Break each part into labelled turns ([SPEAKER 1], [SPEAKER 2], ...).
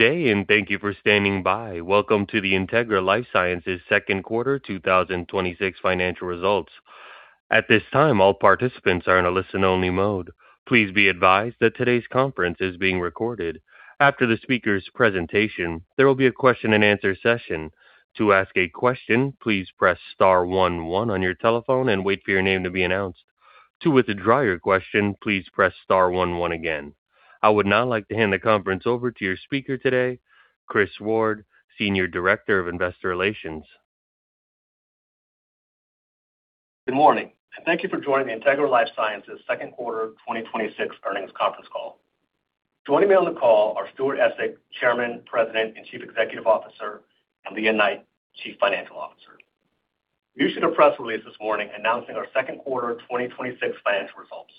[SPEAKER 1] Good day, and thank you for standing by. Welcome to the Integra LifeSciences second quarter 2026 financial results. At this time, all participants are in a listen-only mode. Please be advised that today's conference is being recorded. After the speaker's presentation, there will be a question-and-answer session. To ask a question, please press star one one on your telephone and wait for your name to be announced. To withdraw your question, please press star one one again. I would now like to hand the conference over to your speaker today, Chris Ward, Senior Director of Investor Relations.
[SPEAKER 2] Good morning, and thank you for joining the Integra LifeSciences second quarter 2026 earnings conference call. Joining me on the call are Stuart Essig, Chairman, President, and Chief Executive Officer, and Lea Knight, Chief Financial Officer. We issued a press release this morning announcing our second quarter 2026 financial results.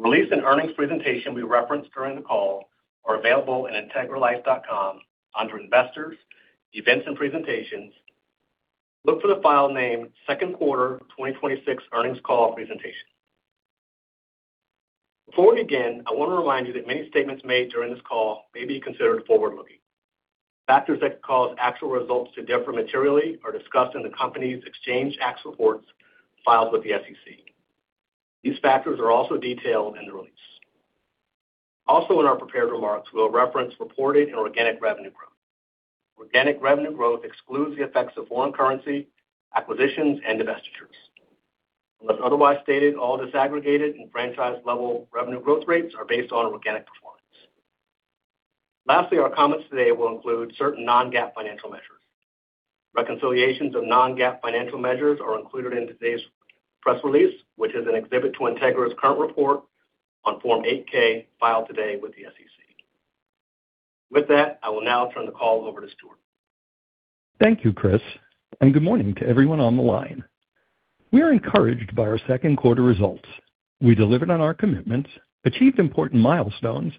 [SPEAKER 2] The release and earnings presentation we reference during the call are available at integralife.com under Investors, Events and Presentations. Look for the file name Second Quarter 2026 Earnings Call Presentation. Before we begin, I want to remind you that many statements made during this call may be considered forward-looking. Factors that could cause actual results to differ materially are discussed in the company's Exchange Act reports filed with the SEC. These factors are also detailed in the release. Also in our prepared remarks, we'll reference reported and organic revenue growth. Organic revenue growth excludes the effects of foreign currency, acquisitions, and divestitures. Unless otherwise stated, all disaggregated and franchise-level revenue growth rates are based on organic performance. Lastly, our comments today will include certain non-GAAP financial measures. Reconciliations of non-GAAP financial measures are included in today's press release, which is an exhibit to Integra's current report on Form 8-K filed today with the SEC. With that, I will now turn the call over to Stuart.
[SPEAKER 3] Thank you, Chris, and good morning to everyone on the line. We are encouraged by our second quarter results. We delivered on our commitments, achieved important milestones,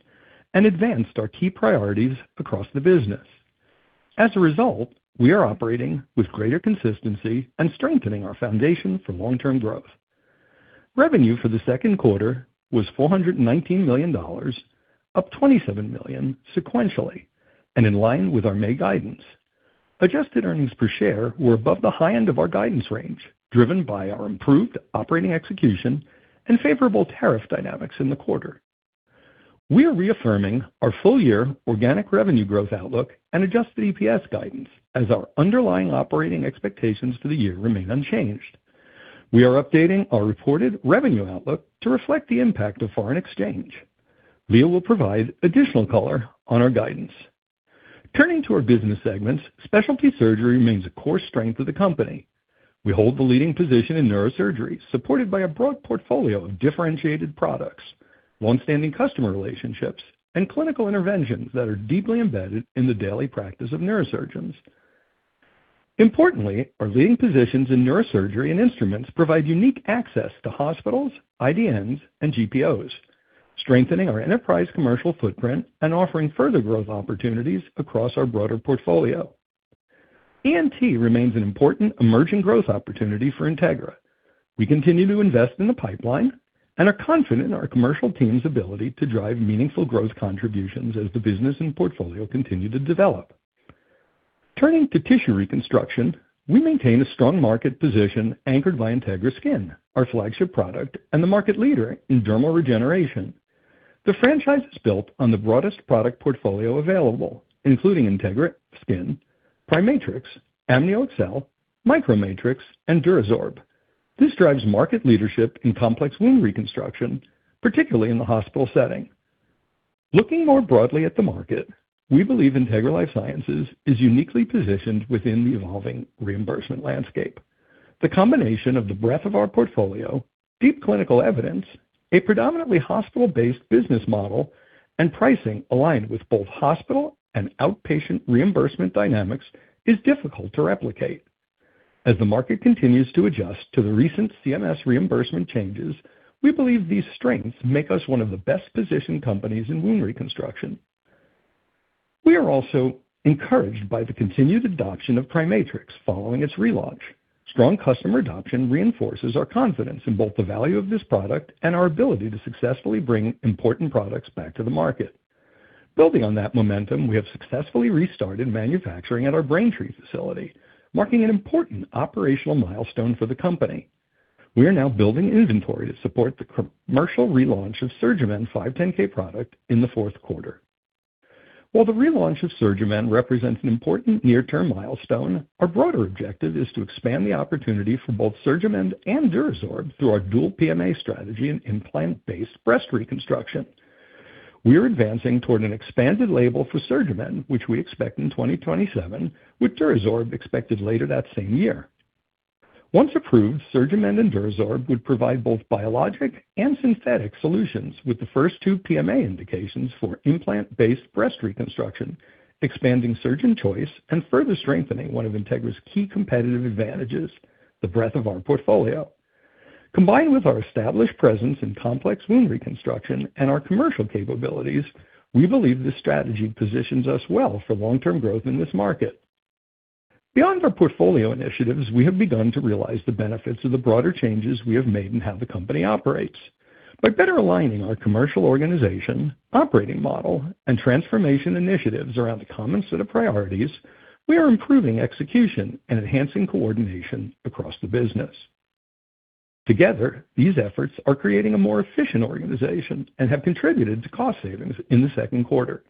[SPEAKER 3] and advanced our key priorities across the business. As a result, we are operating with greater consistency and strengthening our foundation for long-term growth. Revenue for the second quarter was $419 million, up $27 million sequentially, and in line with our May guidance. Adjusted earnings per share were above the high end of our guidance range, driven by our improved operating execution and favorable tariff dynamics in the quarter. We are reaffirming our full-year organic revenue growth outlook and adjusted EPS guidance as our underlying operating expectations for the year remain unchanged. We are updating our reported revenue outlook to reflect the impact of foreign exchange. Lea will provide additional color on our guidance. Turning to our business segments, specialty surgery remains a core strength of the company. We hold the leading position in neurosurgery, supported by a broad portfolio of differentiated products, longstanding customer relationships, and clinical interventions that are deeply embedded in the daily practice of neurosurgeons. Importantly, our leading positions in neurosurgery and instruments provide unique access to hospitals, IDNs, and GPOs, strengthening our enterprise commercial footprint and offering further growth opportunities across our broader portfolio. ENT remains an important emerging growth opportunity for Integra. We continue to invest in the pipeline and are confident in our commercial team's ability to drive meaningful growth contributions as the business and portfolio continue to develop. Turning to tissue reconstruction, we maintain a strong market position anchored by Integra Skin, our flagship product and the market leader in dermal regeneration. The franchise is built on the broadest product portfolio available, including Integra Skin, PriMatrix, AmnioExcel, MicroMatrix, and DuraSorb. This drives market leadership in complex wound reconstruction, particularly in the hospital setting. Looking more broadly at the market, we believe Integra LifeSciences is uniquely positioned within the evolving reimbursement landscape. The combination of the breadth of our portfolio, deep clinical evidence, a predominantly hospital-based business model, and pricing aligned with both hospital and outpatient reimbursement dynamics is difficult to replicate. As the market continues to adjust to the recent CMS reimbursement changes, we believe these strengths make us one of the best-positioned companies in wound reconstruction. We are also encouraged by the continued adoption of PriMatrix following its relaunch. Strong customer adoption reinforces our confidence in both the value of this product and our ability to successfully bring important products back to the market. Building on that momentum, we have successfully restarted manufacturing at our Braintree facility, marking an important operational milestone for the company. We are now building inventory to support the commercial relaunch of SurgiMend 510(k) product in the fourth quarter. While the relaunch of SurgiMend represents an important near-term milestone, our broader objective is to expand the opportunity for both SurgiMend and DuraSorb through our dual PMA strategy in implant-based breast reconstruction. We are advancing toward an expanded label for SurgiMend, which we expect in 2027, with DuraSorb expected later that same year. Once approved, SurgiMend and DuraSorb would provide both biologic and synthetic solutions with the first two PMA indications for implant-based breast reconstruction, expanding surgeon choice and further strengthening one of Integra's key competitive advantages, the breadth of our portfolio. Combined with our established presence in complex wound reconstruction and our commercial capabilities, we believe this strategy positions us well for long-term growth in this market. Beyond our portfolio initiatives, we have begun to realize the benefits of the broader changes we have made in how the company operates. By better aligning our commercial organization, operating model, and transformation initiatives around a common set of priorities, we are improving execution and enhancing coordination across the business. Together, these efforts are creating a more efficient organization and have contributed to cost savings in the second quarter.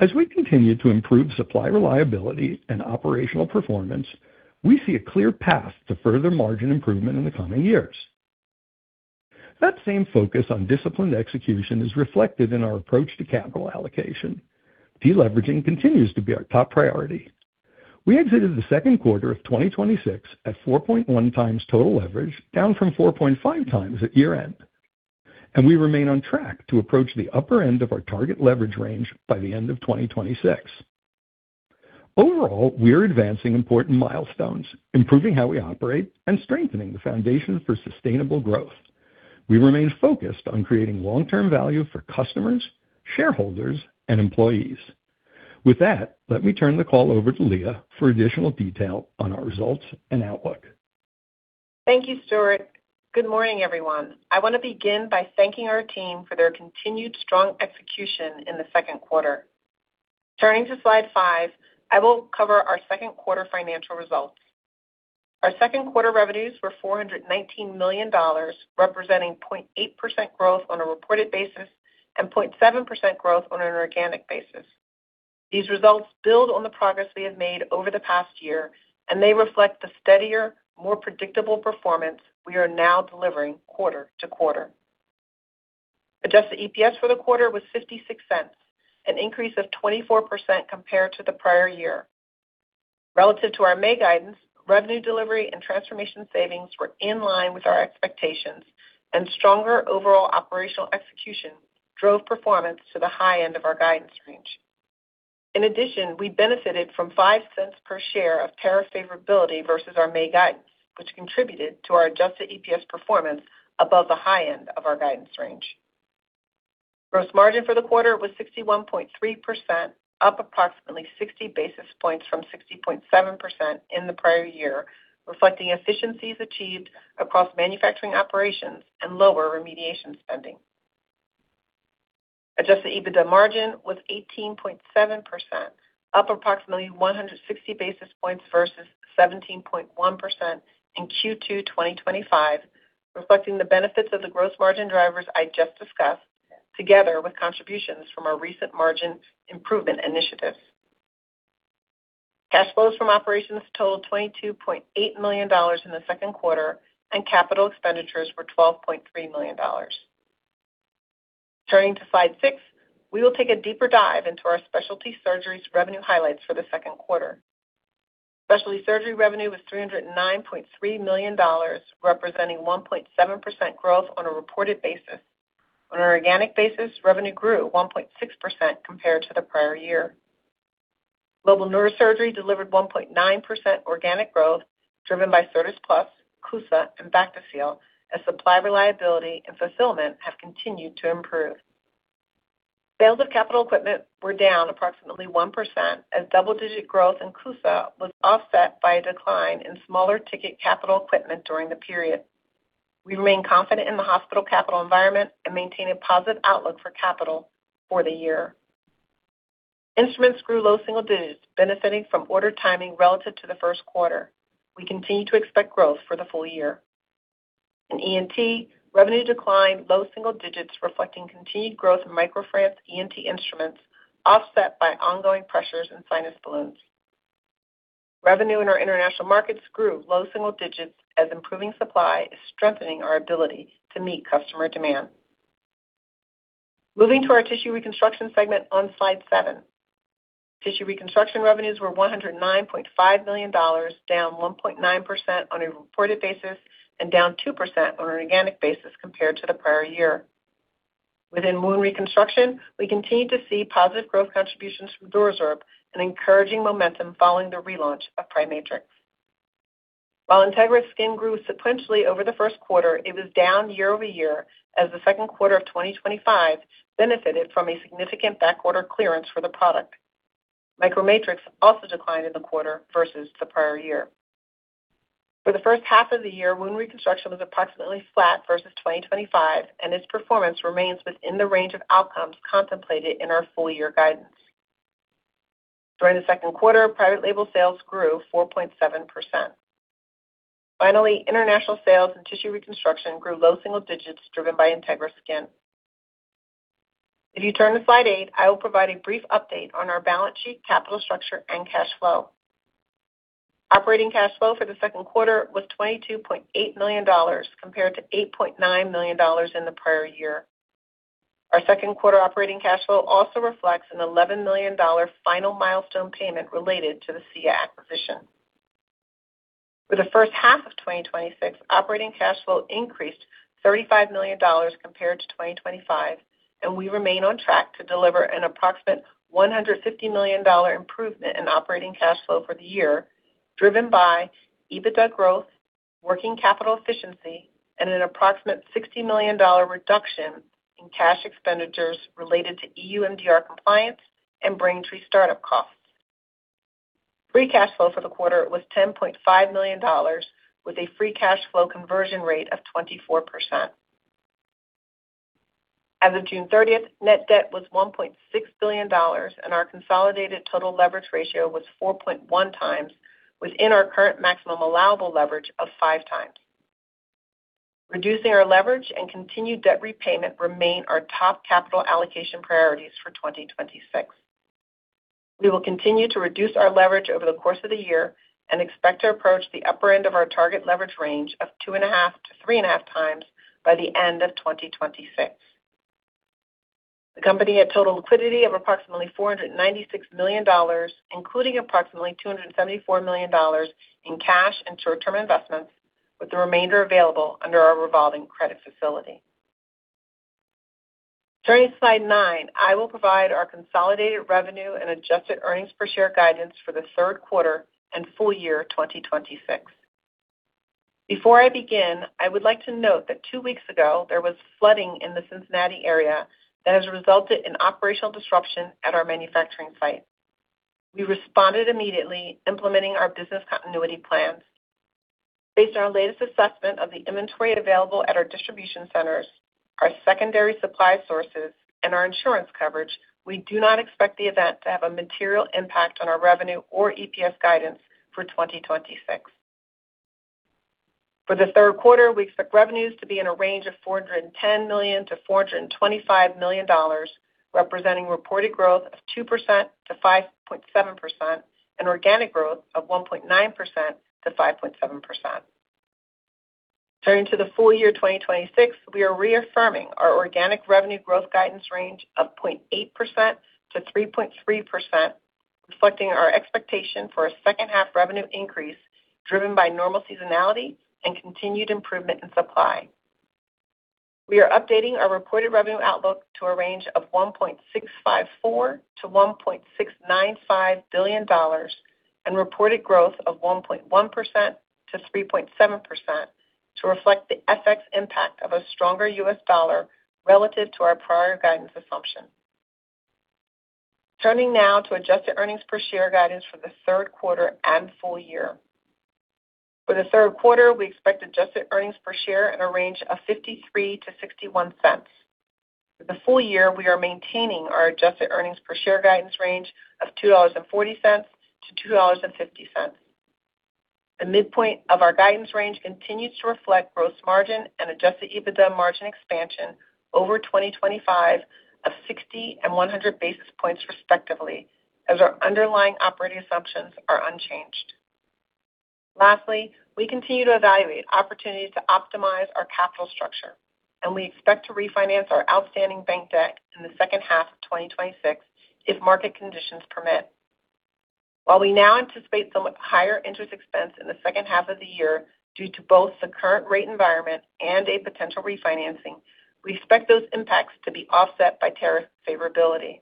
[SPEAKER 3] As we continue to improve supply reliability and operational performance, we see a clear path to further margin improvement in the coming years. That same focus on disciplined execution is reflected in our approach to capital allocation. Deleveraging continues to be our top priority. We exited the second quarter of 2026 at 4.1x total leverage, down from 4.5x at year-end. We remain on track to approach the upper end of our target leverage range by the end of 2026. Overall, we are advancing important milestones, improving how we operate, and strengthening the foundation for sustainable growth. We remain focused on creating long-term value for customers, shareholders, and employees. With that, let me turn the call over to Lea for additional detail on our results and outlook.
[SPEAKER 4] Thank you, Stuart. Good morning, everyone. I want to begin by thanking our team for their continued strong execution in the second quarter. Turning to slide five, I will cover our second quarter financial results. Our second quarter revenues were $419 million, representing 0.8% growth on a reported basis and 0.7% growth on an organic basis. These results build on the progress we have made over the past year, and they reflect the steadier, more predictable performance we are now delivering quarter to quarter. Adjusted EPS for the quarter was $0.56, an increase of 24% compared to the prior year. Relative to our May guidance, revenue delivery and transformation savings were in line with our expectations, and stronger overall operational execution drove performance to the high end of our guidance range. In addition, we benefited from $0.05 per share of tariff favorability versus our May guidance, which contributed to our adjusted EPS performance above the high end of our guidance range. Gross margin for the quarter was 61.3%, up approximately 60 basis points from 60.7% in the prior year, reflecting efficiencies achieved across manufacturing operations and lower remediation spending. Adjusted EBITDA margin was 18.7%, up approximately 160 basis points versus 17.1% in Q2 2025, reflecting the benefits of the gross margin drivers I just discussed, together with contributions from our recent margin improvement initiatives. Cash flows from operations totaled $22.8 million in the second quarter, and capital expenditures were $12.3 million. Turning to slide six, we will take a deeper dive into our Specialty Surgery's revenue highlights for the second quarter. Specialty Surgery revenue was $309.3 million, representing 1.7% growth on a reported basis. On an organic basis, revenue grew 1.6% compared to the prior year. Global Neurosurgery delivered 1.9% organic growth, driven by Certas Plus, CUSA, and Bactiseal, as supply reliability and fulfillment have continued to improve. Sales of capital equipment were down approximately 1%, as double-digit growth in CUSA was offset by a decline in smaller-ticket capital equipment during the period. We remain confident in the hospital capital environment and maintain a positive outlook for capital for the year. Instruments grew low single digits, benefiting from order timing relative to the first quarter. We continue to expect growth for the full year. In ENT, revenue declined low single digits, reflecting continued growth in MicroFrance ENT instruments, offset by ongoing pressures in sinus balloons. Revenue in our international markets grew low single digits as improving supply is strengthening our ability to meet customer demand. Moving to our Tissue Reconstruction segment on slide seven. Tissue Reconstruction revenues were $109.5 million, down 1.9% on a reported basis and down 2% on an organic basis compared to the prior year. Within wound reconstruction, we continue to see positive growth contributions from DuraSorb and encouraging momentum following the relaunch of PriMatrix. While Integra Skin grew sequentially over the first quarter, it was down year-over-year as the second quarter of 2025 benefited from a significant backorder clearance for the product. MicroMatrix also declined in the quarter versus the prior year. For the first half of the year, Wound Reconstruction was approximately flat versus 2025, and its performance remains within the range of outcomes contemplated in our full-year guidance. During the second quarter, private label sales grew 4.7%. Finally, international sales and Tissue Reconstruction grew low single digits, driven by Integra Skin. If you turn to slide eight, I will provide a brief update on our balance sheet, capital structure, and cash flow. Operating cash flow for the second quarter was $22.8 million, compared to $8.9 million in the prior year. Our second quarter operating cash flow also reflects an $11 million final milestone payment related to the Sia acquisition. For the first half of 2026, operating cash flow increased $35 million compared to 2025, and we remain on track to deliver an approximate $150 million improvement in operating cash flow for the year, driven by EBITDA growth, working capital efficiency and an approximate $60 million reduction in cash expenditures related to EU MDR compliance and Braintree startup costs. Free cash flow for the quarter was $10.5 million, with a free cash flow conversion rate of 24%. As of June 30th, net debt was $1.6 billion and our consolidated total leverage ratio was 4.1x within our current maximum allowable leverage of 5x. Reducing our leverage and continued debt repayment remain our top capital allocation priorities for 2026. We will continue to reduce our leverage over the course of the year and expect to approach the upper end of our target leverage range of 2.5x-3.5x by the end of 2026. The company had total liquidity of approximately $496 million, including approximately $274 million in cash and short-term investments, with the remainder available under our revolving credit facility. Turning to slide nine, I will provide our consolidated revenue and adjusted earnings per share guidance for the third quarter and full-year 2026. Before I begin, I would like to note that two weeks ago there was flooding in the Cincinnati area that has resulted in operational disruption at our manufacturing site. We responded immediately, implementing our business continuity plans. Based on our latest assessment of the inventory available at our distribution centers, our secondary supply sources, and our insurance coverage, we do not expect the event to have a material impact on our revenue or EPS guidance for 2026. For the third quarter, we expect revenues to be in a range of $410 million-$425 million, representing reported growth of 2%-5.7% and organic growth of 1.9%-5.7%. Turning to the full-year 2026, we are reaffirming our organic revenue growth guidance range of 0.8%-3.3%, reflecting our expectation for a second half revenue increase driven by normal seasonality and continued improvement in supply. We are updating our reported revenue outlook to a range of $1.654 billion-$1.695 billion and reported growth of 1.1%-3.7% to reflect the FX impact of a stronger U.S. dollar relative to our prior guidance assumption. Turning now to adjusted earnings per share guidance for the third quarter and full year. For the third quarter, we expect adjusted earnings per share in a range of $0.53-$0.61. For the full year, we are maintaining our adjusted earnings per share guidance range of $2.40-$2.50. The midpoint of our guidance range continues to reflect gross margin and adjusted EBITDA margin expansion over 2025 of 60 and 100 basis points respectively, as our underlying operating assumptions are unchanged. Lastly, we continue to evaluate opportunities to optimize our capital structure, and we expect to refinance our outstanding bank debt in the second half of 2026 if market conditions permit. While we now anticipate somewhat higher interest expense in the second half of the year due to both the current rate environment and a potential refinancing, we expect those impacts to be offset by tariff favorability.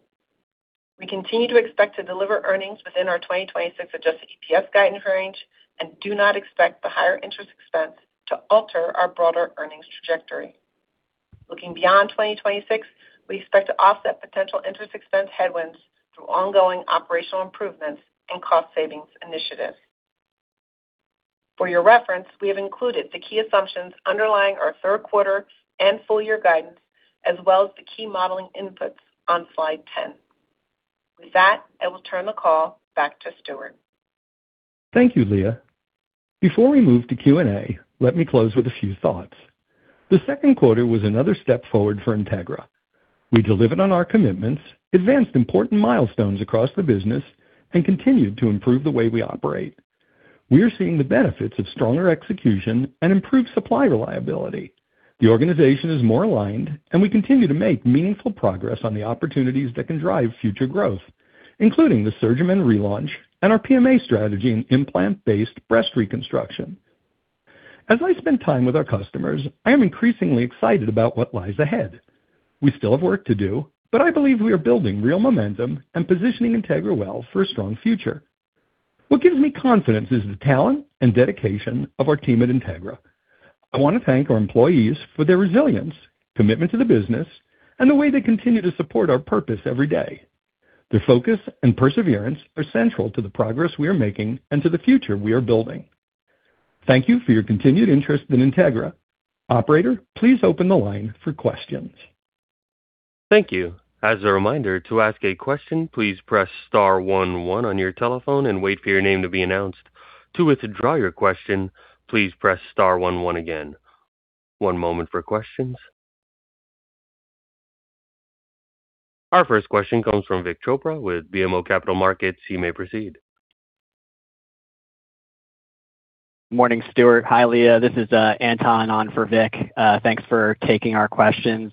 [SPEAKER 4] We continue to expect to deliver earnings within our 2026 adjusted EPS guidance range and do not expect the higher interest expense to alter our broader earnings trajectory. Looking beyond 2026, we expect to offset potential interest expense headwinds through ongoing operational improvements and cost savings initiatives. For your reference, we have included the key assumptions underlying our third quarter and full year guidance, as well as the key modeling inputs on slide 10. With that, I will turn the call back to Stuart.
[SPEAKER 3] Thank you, Lea. Before we move to Q&A, let me close with a few thoughts. The second quarter was another step forward for Integra. We delivered on our commitments, advanced important milestones across the business, and continued to improve the way we operate. We are seeing the benefits of stronger execution and improved supply reliability. The organization is more aligned, and we continue to make meaningful progress on the opportunities that can drive future growth, including the SurgiMend relaunch and our PMA strategy in implant-based breast reconstruction. As I spend time with our customers, I am increasingly excited about what lies ahead. We still have work to do, I believe we are building real momentum and positioning Integra well for a strong future. What gives me confidence is the talent and dedication of our team at Integra. I want to thank our employees for their resilience, commitment to the business, the way they continue to support our purpose every day. Their focus and perseverance are central to the progress we are making and to the future we are building. Thank you for your continued interest in Integra. Operator, please open the line for questions.
[SPEAKER 1] Thank you. As a reminder, to ask a question, please press star one one on your telephone and wait for your name to be announced. To withdraw your question, please press star one one again. One moment for questions. Our first question comes from Vik Chopra with BMO Capital Markets. You may proceed.
[SPEAKER 5] Morning, Stuart. Hi, Lea. This is Anton on for Vik. Thanks for taking our questions.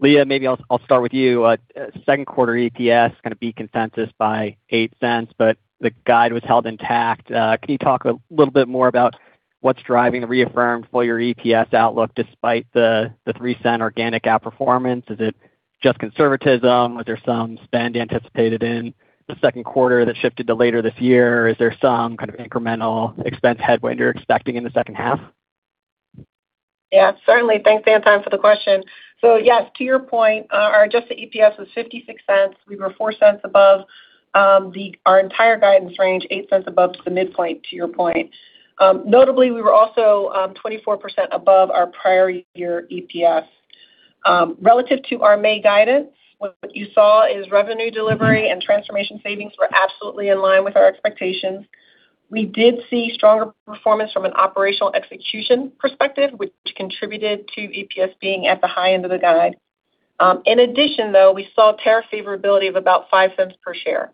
[SPEAKER 5] Lea, maybe I'll start with you. Second quarter EPS going to beat consensus by $0.08, but the guide was held intact. Can you talk a little bit more about what's driving the reaffirmed full year EPS outlook despite the $0.03 organic outperformance? Is it just conservatism? Was there some spend anticipated in the second quarter that shifted to later this year? Is there some kind of incremental expense headwind you're expecting in the second half?
[SPEAKER 4] Yeah, certainly. Thanks, Anton, for the question. Yes, to your point, our adjusted EPS was $0.56. We were $0.04 above our entire guidance range, $0.08 above the midpoint, to your point. Notably, we were also 24% above our prior year EPS. Relative to our May guidance, what you saw is revenue delivery and transformation savings were absolutely in line with our expectations. We did see stronger performance from an operational execution perspective, which contributed to EPS being at the high end of the guide. In addition, though, we saw tariff favorability of about $0.05 per share.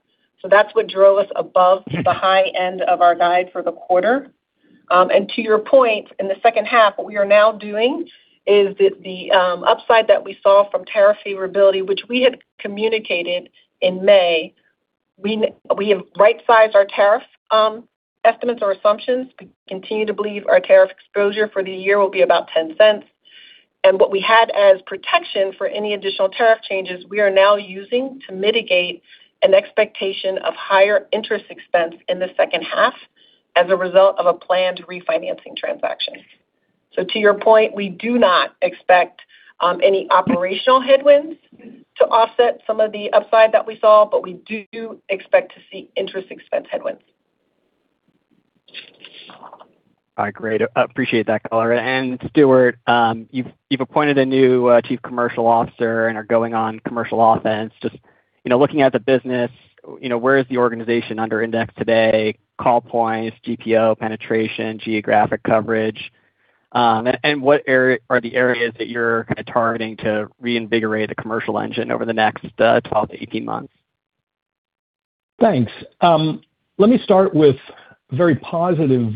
[SPEAKER 4] That's what drove us above the high end of our guide for the quarter. To your point, in the second half, what we are now doing is the upside that we saw from tariff favorability, which we had communicated in May, we have right-sized our tariff estimates or assumptions. We continue to believe our tariff exposure for the year will be about $0.10. What we had as protection for any additional tariff changes, we are now using to mitigate an expectation of higher interest expense in the second half as a result of a planned refinancing transaction. To your point, we do not expect any operational headwinds to offset some of the upside that we saw, but we do expect to see interest expense headwinds.
[SPEAKER 5] All right, great. I appreciate that, Lea. Stuart, you've appointed a new chief commercial officer and are going on commercial offense. Just looking at the business, where is the organization under index today, call points, GPO penetration, geographic coverage? What are the areas that you're kind of targeting to reinvigorate the commercial engine over the next 12-18 months?
[SPEAKER 3] Thanks. Let me start with very positive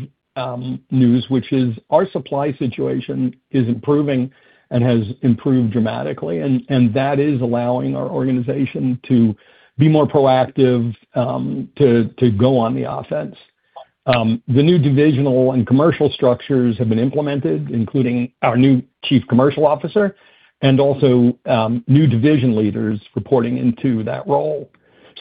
[SPEAKER 3] news, which is our supply situation is improving and has improved dramatically, and that is allowing our organization to be more proactive to go on the offense. The new divisional and commercial structures have been implemented, including our new chief commercial officer and also new division leaders reporting into that role.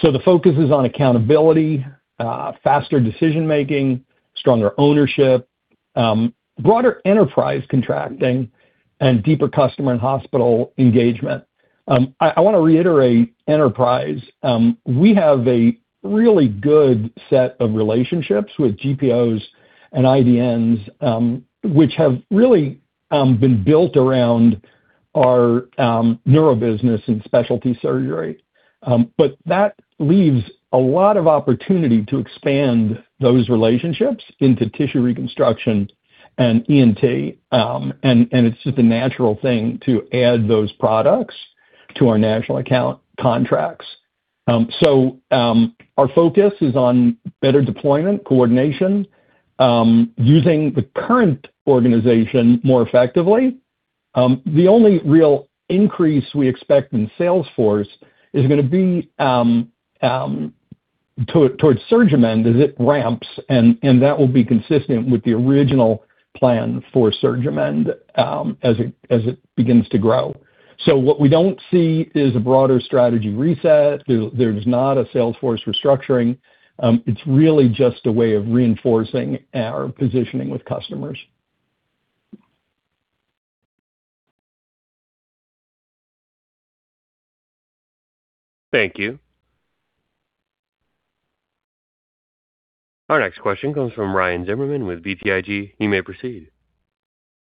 [SPEAKER 3] The focus is on accountability, faster decision making, stronger ownership, broader enterprise contracting, and deeper customer and hospital engagement. I want to reiterate enterprise. We have a really good set of relationships with GPO and IDN, which have really been built around our neuro business and specialty surgery. That leaves a lot of opportunity to expand those relationships into tissue reconstruction and ENT, and it's just a natural thing to add those products to our national account contracts. Our focus is on better deployment, coordination, using the current organization more effectively. The only real increase we expect in sales force is going to be towards SurgiMend as it ramps, and that will be consistent with the original plan for SurgiMend as it begins to grow. What we don't see is a broader strategy reset. There's not a sales force restructuring. It's really just a way of reinforcing our positioning with customers.
[SPEAKER 1] Thank you. Our next question comes from Ryan Zimmerman with BTIG. You may proceed.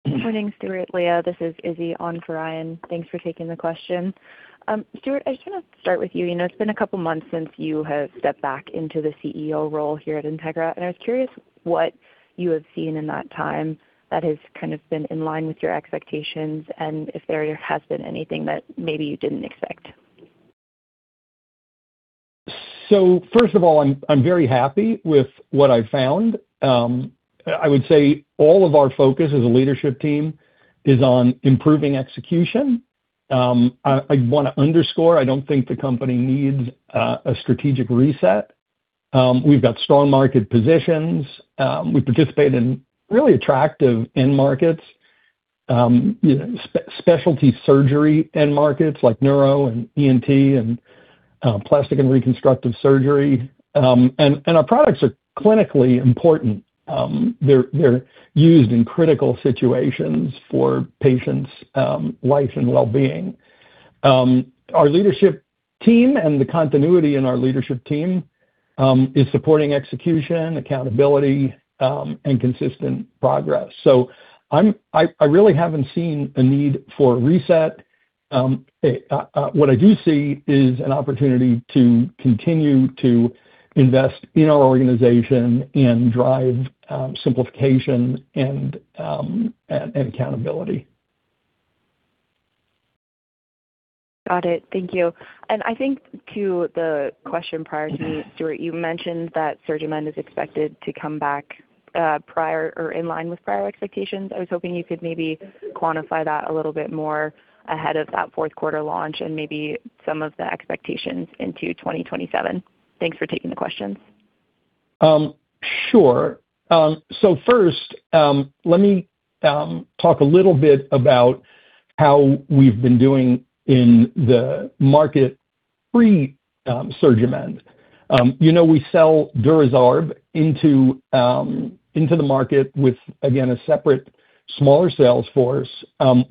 [SPEAKER 6] Good morning, Stuart, Lea. This is Izzy on for Ryan. Thanks for taking the question. Stuart, I just want to start with you. It's been a couple of months since you have stepped back into the CEO role here at Integra, I was curious what you have seen in that time that has kind of been in line with your expectations, and if there has been anything that maybe you didn't expect.
[SPEAKER 3] First of all, I'm very happy with what I've found. I would say all of our focus as a leadership team is on improving execution. I want to underscore, I don't think the company needs a strategic reset. We've got strong market positions. We participate in really attractive end markets, specialty surgery end markets like neuro and ENT and plastic and reconstructive surgery. Our products are clinically important. They're used in critical situations for patients life and well-being. Our leadership team and the continuity in our leadership team is supporting execution, accountability, and consistent progress. I really haven't seen a need for a reset. What I do see is an opportunity to continue to invest in our organization and drive simplification and accountability.
[SPEAKER 6] Got it. Thank you. I think to the question prior to me, Stuart, you mentioned that SurgiMend is expected to come back prior or in line with prior expectations. I was hoping you could maybe quantify that a little bit more ahead of that fourth quarter launch and maybe some of the expectations into 2027. Thanks for taking the questions.
[SPEAKER 3] Sure. First, let me talk a little bit about how we've been doing in the market pre-SurgiMend. We sell DuraSorb into the market with, again, a separate smaller sales force.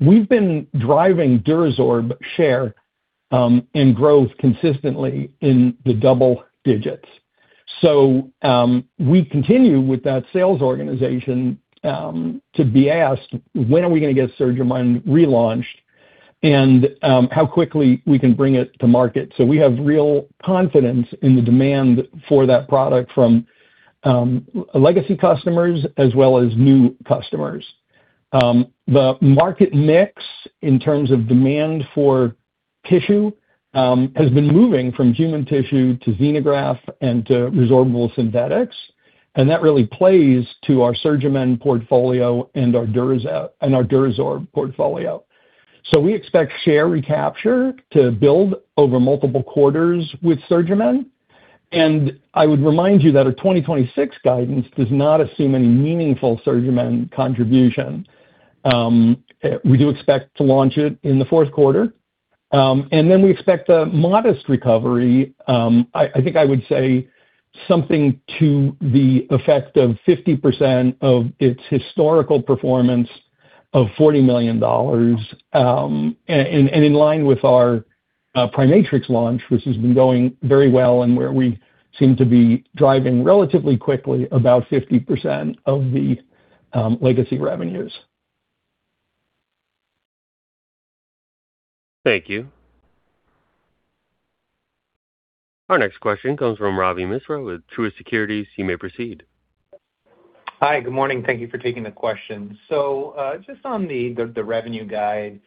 [SPEAKER 3] We've been driving DuraSorb share and growth consistently in the double digits. We continue with that sales organization to be asked, when are we going to get SurgiMend relaunched and how quickly we can bring it to market. We have real confidence in the demand for that product from legacy customers as well as new customers. The market mix in terms of demand for tissue, has been moving from human tissue to xenograft and to resorbable synthetics, and that really plays to our SurgiMend portfolio and our DuraSorb portfolio. We expect share recapture to build over multiple quarters with SurgiMend. I would remind you that our 2026 guidance does not assume any meaningful SurgiMend contribution. We do expect to launch it in the fourth quarter. We expect a modest recovery. I think I would say something to the effect of 50% of its historical performance of $40 million, in line with our PriMatrix launch, which has been going very well and where we seem to be driving relatively quickly about 50% of the legacy revenues.
[SPEAKER 1] Thank you. Our next question comes from Ravi Misra with Truist Securities. You may proceed.
[SPEAKER 7] Hi. Good morning. Thank you for taking the question. Just on the revenue guide.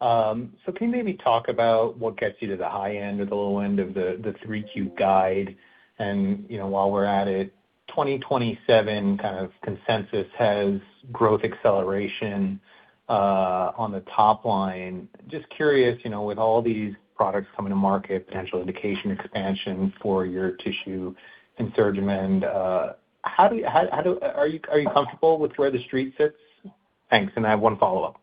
[SPEAKER 7] Can you maybe talk about what gets you to the high end or the low end of the 3Q guide? While we're at it, 2027 kind of consensus has growth acceleration on the top line. Just curious, with all these products coming to market, potential indication expansion for your tissue and SurgiMend, are you comfortable with where the street sits? Thanks, and I have one follow-up.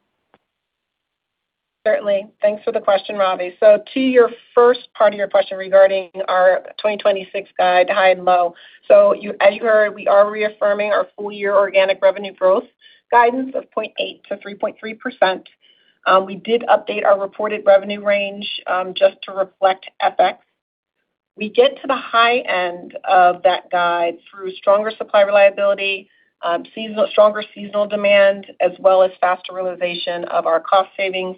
[SPEAKER 4] Certainly. Thanks for the question, Ravi. To your first part of your question regarding our 2026 guide, high and low. As you heard, we are reaffirming our full year organic revenue growth guidance of 0.8%-3.3%. We did update our reported revenue range, just to reflect FX. We get to the high end of that guide through stronger supply reliability, stronger seasonal demand, as well as faster realization of our cost savings.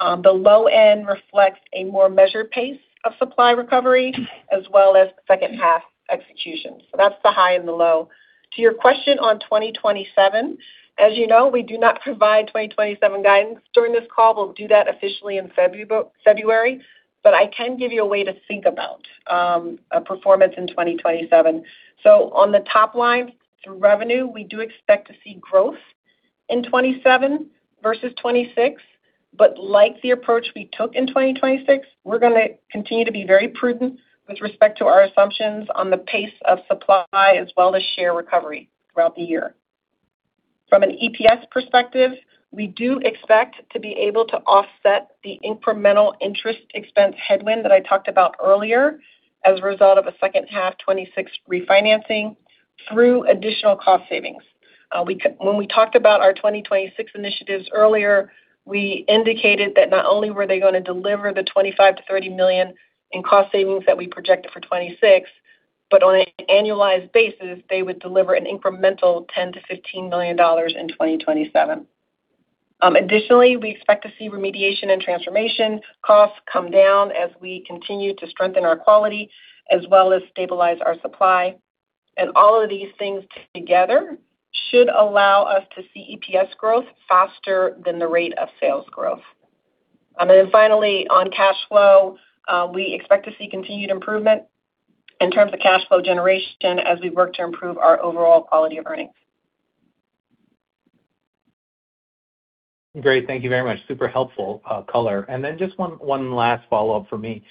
[SPEAKER 4] The low end reflects a more measured pace of supply recovery as well as second half execution. That's the high and the low. To your question on 2027, as you know, we do not provide 2027 guidance during this call. We'll do that officially in February. I can give you a way to think about a performance in 2027. On the top line, through revenue, we do expect to see growth in 2027 versus 2026. Like the approach we took in 2026, we're going to continue to be very prudent with respect to our assumptions on the pace of supply as well as share recovery throughout the year. From an EPS perspective, we do expect to be able to offset the incremental interest expense headwind that I talked about earlier as a result of a second half 2026 refinancing through additional cost savings. When we talked about our 2026 initiatives earlier, we indicated that not only were they going to deliver the $25 million-$30 million in cost savings that we projected for 2026, but on an annualized basis, they would deliver an incremental $10 million-$15 million in 2027. Additionally, we expect to see remediation and transformation costs come down as we continue to strengthen our quality as well as stabilize our supply. All of these things together should allow us to see EPS growth faster than the rate of sales growth. Finally, on cash flow, we expect to see continued improvement in terms of cash flow generation as we work to improve our overall quality of earnings.
[SPEAKER 7] Great. Thank you very much. Super helpful color. Just one last follow-up from me.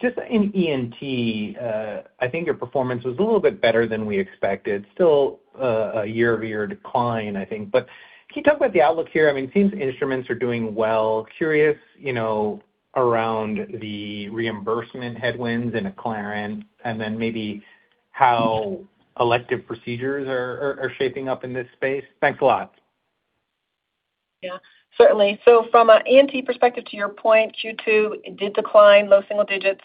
[SPEAKER 7] Just in ENT, I think your performance was a little bit better than we expected. Still a year-over-year decline, I think, but can you talk about the outlook here? It seems instruments are doing well. Curious, around the reimbursement headwinds in Acclarent and then maybe how elective procedures are shaping up in this space. Thanks a lot.
[SPEAKER 4] Yeah, certainly. From an ENT perspective, to your point, Q2 did decline low single digits.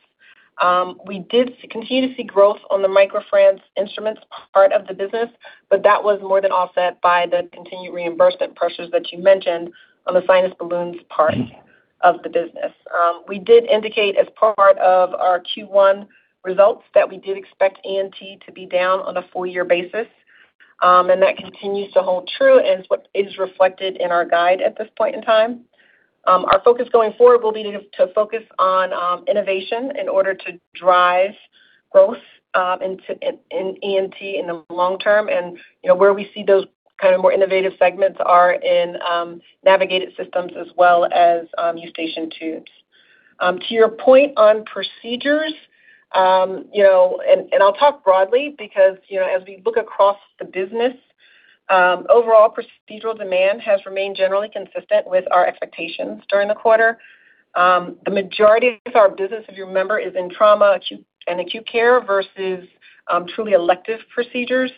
[SPEAKER 4] We did continue to see growth on the MicroFrance instruments part of the business, but that was more than offset by the continued reimbursement pressures that you mentioned on the sinus balloons part of the business. We did indicate as part of our Q1 results that we did expect ENT to be down on a full year basis. That continues to hold true and is what is reflected in our guide at this point in time. Our focus going forward will be to focus on innovation in order to drive growth in ENT in the long term. Where we see those kind of more innovative segments are in navigated systems as well as Eustachian tubes. To your point on procedures, I'll talk broadly because as we look across the business, overall procedural demand has remained generally consistent with our expectations during the quarter. The majority of our business, if you remember, is in trauma and acute care versus truly elective procedures.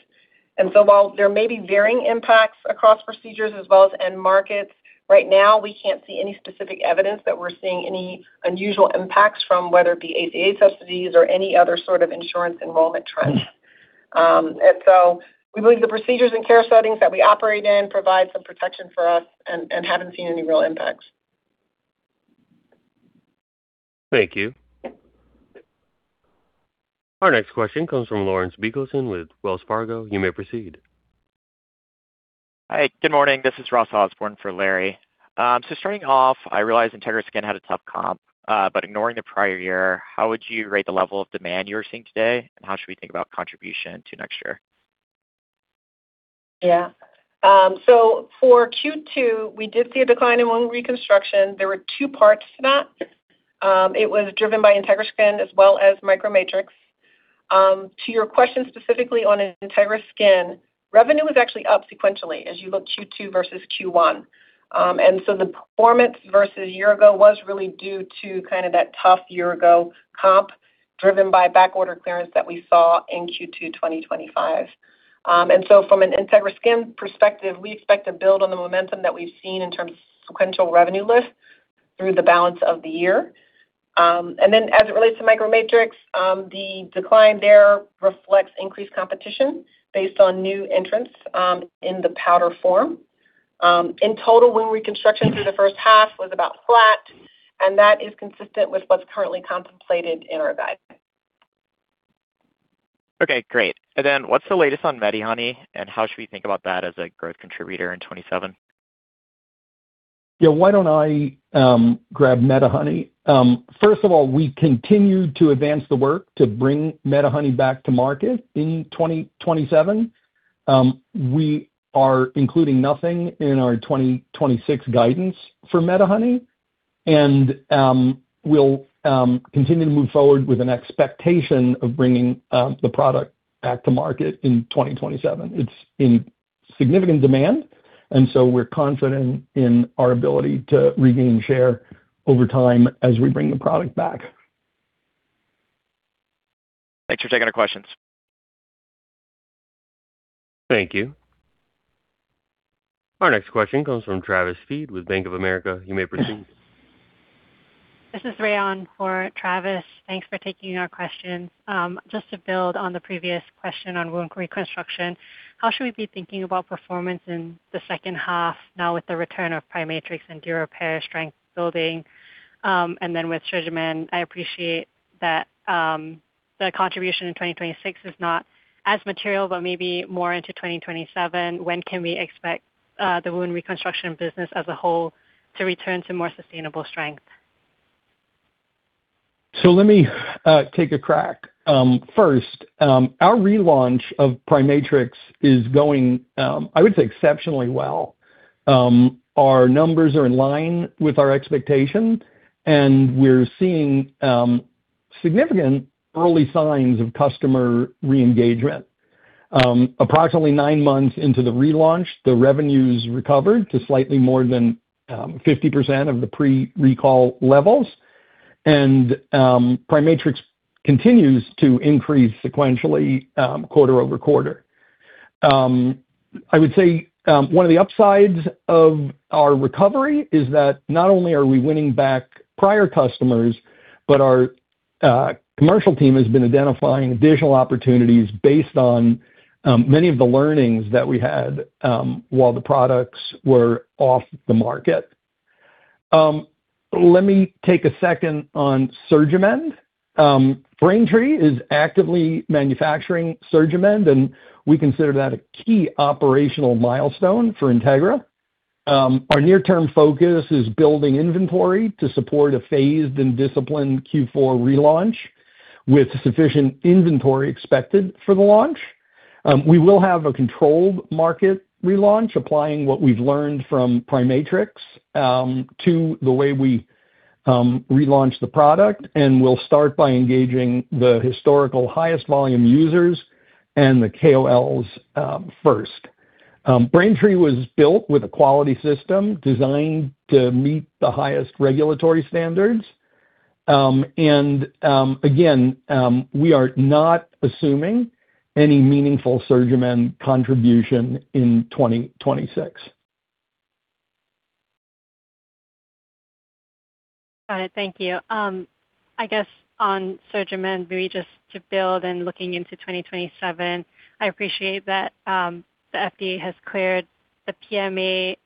[SPEAKER 4] While there may be varying impacts across procedures as well as end markets, right now we can't see any specific evidence that we're seeing any unusual impacts from whether it be ACA subsidies or any other sort of insurance enrollment trends. We believe the procedures and care settings that we operate in provide some protection for us and haven't seen any real impacts.
[SPEAKER 1] Thank you. Our next question comes from Larry Biegelsen with Wells Fargo. You may proceed.
[SPEAKER 8] Hi, good morning. This is Ross Osborn for Larry. Starting off, I realize Integra Skin had a tough comp. Ignoring the prior year, how would you rate the level of demand you're seeing today, and how should we think about contribution to next year?
[SPEAKER 4] Yeah. For Q2, we did see a decline in wound reconstruction. There were two parts to that. It was driven by Integra Skin as well as MicroMatrix. To your question specifically on Integra Skin, revenue was actually up sequentially as you look Q2 versus Q1. The performance versus a year ago was really due to that tough year-ago comp driven by backorder clearance that we saw in Q2 2025. From an Integra Skin perspective, we expect to build on the momentum that we've seen in terms of sequential revenue lift through the balance of the year. As it relates to MicroMatrix, the decline there reflects increased competition based on new entrants in the powder form. In total, wound reconstruction through the first half was about flat, and that is consistent with what's currently contemplated in our guidance.
[SPEAKER 8] Okay, great. What's the latest on MediHoney, and how should we think about that as a growth contributor in 2027?
[SPEAKER 3] Yeah. Why don't I grab MediHoney? First of all, we continue to advance the work to bring MediHoney back to market in 2027. We are including nothing in our 2026 guidance for MediHoney, and we'll continue to move forward with an expectation of bringing the product back to market in 2027. It's in significant demand, and so we're confident in our ability to regain share over time as we bring the product back.
[SPEAKER 8] Thanks for taking our questions.
[SPEAKER 1] Thank you. Our next question comes from Travis Steed with Bank of America. You may proceed.
[SPEAKER 9] This is Rayan for Travis. Thanks for taking our question. Just to build on the previous question on wound reconstruction, how should we be thinking about performance in the second half now with the return of PriMatrix and DuraSorb strength building? With SurgiMend, I appreciate that the contribution in 2026 is not as material but maybe more into 2027. When can we expect the wound reconstruction business as a whole to return to more sustainable strength?
[SPEAKER 3] Let me take a crack. First, our relaunch of PriMatrix is going, I would say, exceptionally well. Our numbers are in line with our expectation, and we're seeing significant early signs of customer re-engagement. Approximately nine months into the relaunch, the revenues recovered to slightly more than 50% of the pre-recall levels. PriMatrix continues to increase sequentially quarter-over-quarter. I would say one of the upsides of our recovery is that not only are we winning back prior customers, but our commercial team has been identifying additional opportunities based on many of the learnings that we had while the products were off the market. Let me take a second on SurgiMend. Braintree is actively manufacturing SurgiMend, and we consider that a key operational milestone for Integra. Our near-term focus is building inventory to support a phased and disciplined Q4 relaunch with sufficient inventory expected for the launch. We will have a controlled market relaunch, applying what we've learned from PriMatrix to the way we relaunch the product, and we'll start by engaging the historical highest volume users and the KOLs first. Braintree was built with a quality system designed to meet the highest regulatory standards. Again, we are not assuming any meaningful SurgiMend contribution in 2026.
[SPEAKER 9] Got it. Thank you. On SurgiMend, maybe just to build and looking into 2027, I appreciate that the FDA has cleared the PMA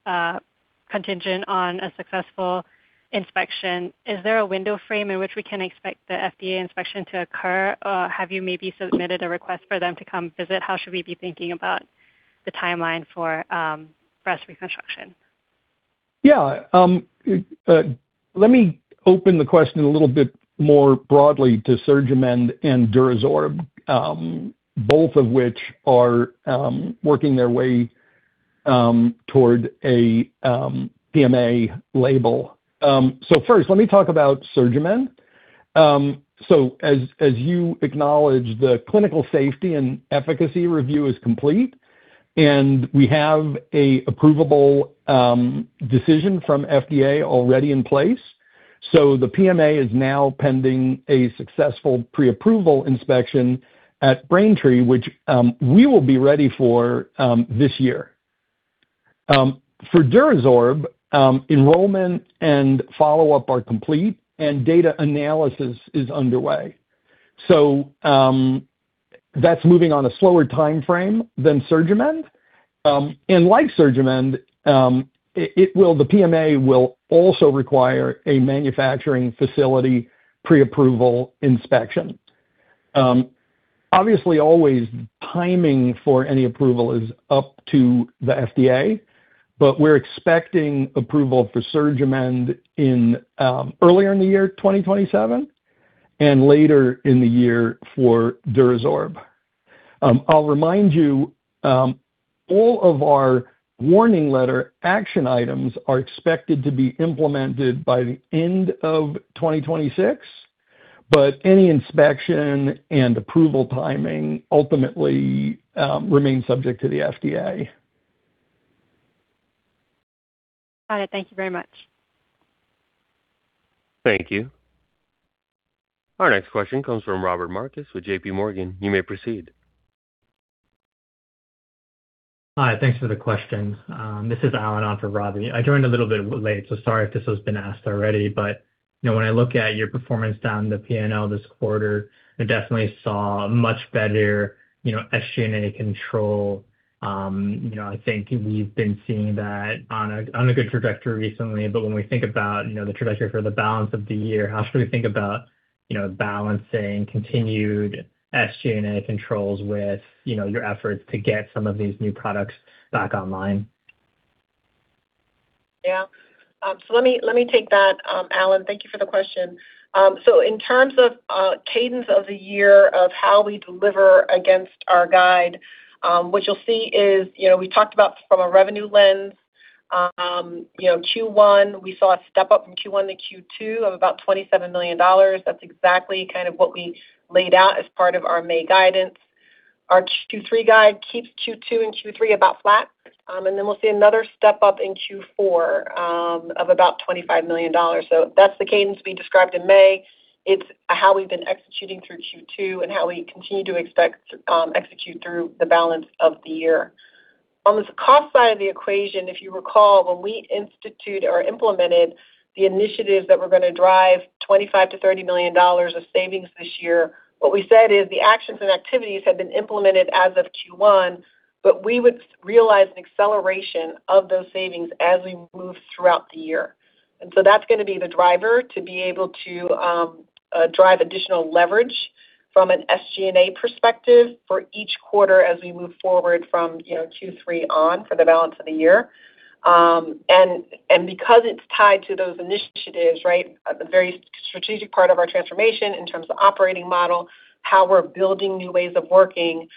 [SPEAKER 9] contingent on a successful inspection. Is there a window frame in which we can expect the FDA inspection to occur? Have you maybe submitted a request for them to come visit? How should we be thinking about the timeline for breast reconstruction?
[SPEAKER 3] Let me open the question a little bit more broadly to SurgiMend and DuraSorb, both of which are working their way toward a PMA label. First, let me talk about SurgiMend. As you acknowledge, the clinical safety and efficacy review is complete, and we have an approvable decision from FDA already in place. The PMA is now pending a successful pre-approval inspection at Braintree, which we will be ready for this year. For DuraSorb, enrollment and follow-up are complete, and data analysis is underway. That's moving on a slower timeframe than SurgiMend. Like SurgiMend, the PMA will also require a manufacturing facility pre-approval inspection. Obviously, always timing for any approval is up to the FDA, but we're expecting approval for SurgiMend earlier in the year 2027, and later in the year for DuraSorb. I'll remind you, all of our warning letter action items are expected to be implemented by the end of 2026, any inspection and approval timing ultimately remains subject to the FDA.
[SPEAKER 9] Got it. Thank you very much.
[SPEAKER 1] Thank you. Our next question comes from Robbie Marcus with JPMorgan. You may proceed.
[SPEAKER 10] Hi. Thanks for the question. This is Allen on for Robbie. I joined a little bit late, so sorry if this has been asked already. When I look at your performance down the P&L this quarter, I definitely saw much better SG&A control. I think we've been seeing that on a good trajectory recently. When we think about the trajectory for the balance of the year, how should we think about balancing continued SG&A controls with your efforts to get some of these new products back online?
[SPEAKER 4] Yeah. Let me take that, Allen. Thank you for the question. In terms of cadence of the year of how we deliver against our guide, what you'll see is, we talked about from a revenue lens. Q1, we saw a step up from Q1 to Q2 of about $27 million. That's exactly kind of what we laid out as part of our May guidance. Our Q3 guide keeps Q2 and Q3 about flat. Then we'll see another step-up in Q4, of about $25 million. That's the cadence we described in May. It's how we've been executing through Q2 and how we continue to expect to execute through the balance of the year. On the cost side of the equation, if you recall, when we institute or implemented the initiatives that were going to drive $25 million-$30 million of savings this year, what we said is the actions and activities have been implemented as of Q1, we would realize an acceleration of those savings as we move throughout the year. That's going to be the driver to be able to drive additional leverage from an SG&A perspective for each quarter as we move forward from Q3 on for the balance of the year. Because it's tied to those initiatives, a very strategic part of our transformation in terms of operating model, how we're building new ways of working.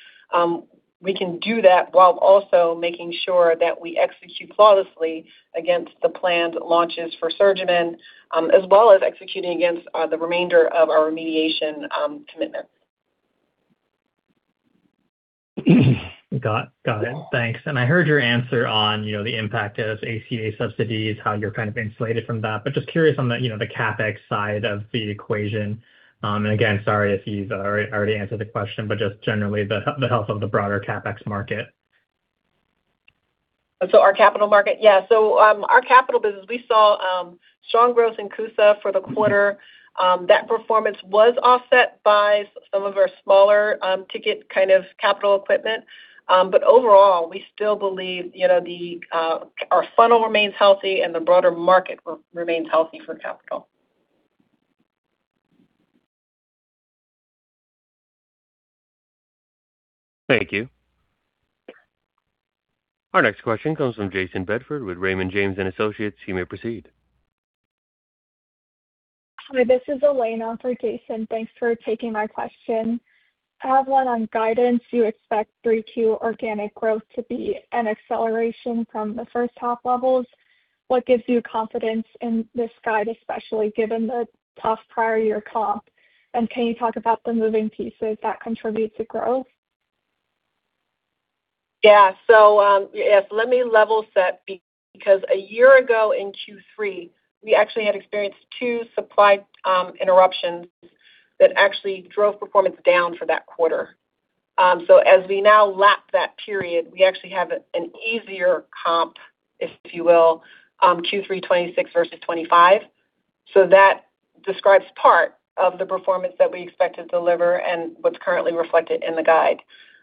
[SPEAKER 4] We can do that while also making sure that we execute flawlessly against the planned launches for SurgiMend, as well as executing against the remainder of our remediation commitment.
[SPEAKER 10] Got it. Thanks. I heard your answer on the impact of ACA subsidies, how you're kind of insulated from that. Just curious on the CapEx side of the equation. Again, sorry if you've already answered the question, just generally the health of the broader CapEx market.
[SPEAKER 4] Our capital business, we saw strong growth in CUSA for the quarter. That performance was offset by some of our smaller ticket kind of capital equipment. Overall, we still believe our funnel remains healthy and the broader market remains healthy for capital.
[SPEAKER 1] Thank you. Our next question comes from Jayson Bedford with Raymond James & Associates. You may proceed.
[SPEAKER 11] Hi, this is Elena for Jayson. Thanks for taking my question. I have one on guidance. You expect 3Q organic growth to be an acceleration from the first half levels. What gives you confidence in this guide, especially given the tough prior year comp? Can you talk about the moving pieces that contribute to growth?
[SPEAKER 4] Let me level set because a year ago in Q3, we actually had experienced two supply interruptions that actually drove performance down for that quarter. As we now lap that period, we actually have an easier comp, if you will, Q3 2026 versus 2025. That describes part of the performance that we expect to deliver and what's currently reflected in the guide.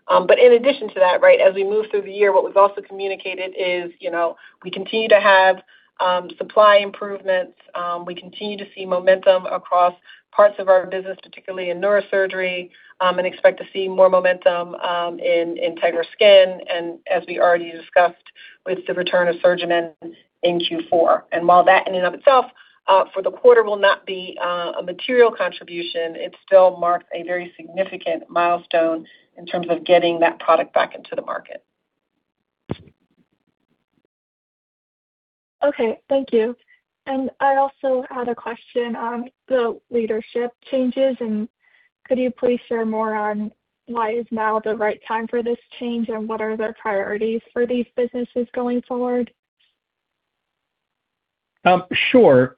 [SPEAKER 4] In addition to that, as we move through the year, what was also communicated is we continue to have supply improvements. We continue to see momentum across parts of our business, particularly in neurosurgery, and expect to see more momentum in Integra Skin, and as we already discussed, with the return of SurgiMend in Q4. While that in and of itself for the quarter will not be a material contribution, it still marks a very significant milestone in terms of getting that product back into the market.
[SPEAKER 11] Okay, thank you. I also had a question on the leadership changes, and could you please share more on why is now the right time for this change, and what are the priorities for these businesses going forward?
[SPEAKER 3] Sure.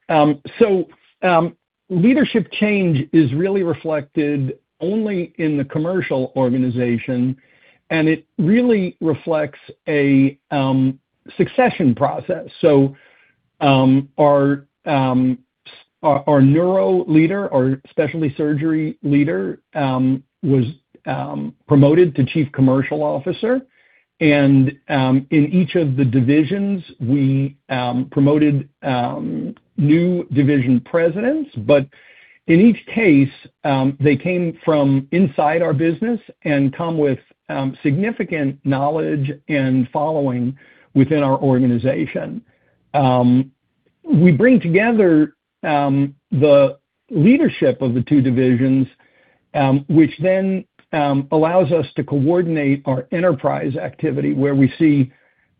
[SPEAKER 3] Leadership change is really reflected only in the commercial organization, and it really reflects a succession process. Our neuro leader, our specialty surgery leader, was promoted to Chief Commercial Officer. In each of the divisions, we promoted new division presidents. In each case, they came from inside our business and come with significant knowledge and following within our organization. We bring together the leadership of the two divisions, which then allows us to coordinate our enterprise activity, where we see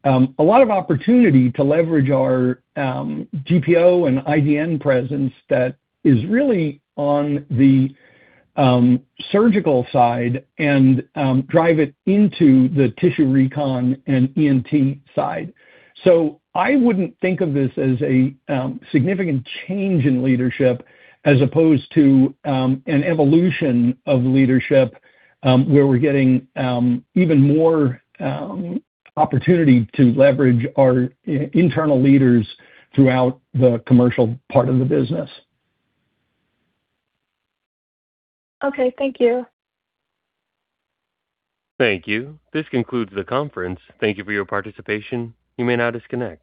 [SPEAKER 3] a lot of opportunity to leverage our GPO and IDN presence that is really on the surgical side and drive it into the tissue recon and ENT side. I wouldn't think of this as a significant change in leadership as opposed to an evolution of leadership, where we're getting even more opportunity to leverage our internal leaders throughout the commercial part of the business.
[SPEAKER 11] Okay. Thank you.
[SPEAKER 1] Thank you. This concludes the conference. Thank you for your participation. You may now disconnect.